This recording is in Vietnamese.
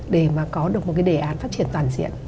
để mà có được một cái đề án phát triển toàn diện